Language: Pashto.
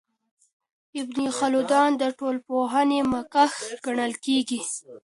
ابن خلدون د ټولنپوهنې مخکښ ګڼل کیږي.